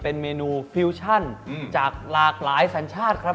เป็นเมนูฟิวชั่นจากหลากหลายสัญชาติครับ